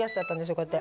こうやって。